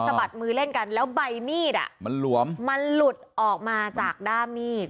บัดมือเล่นกันแล้วใบมีดอ่ะมันหลวมมันหลุดออกมาจากด้ามมีด